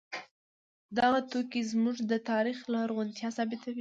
دغه توکي زموږ د تاریخ لرغونتیا ثابتوي.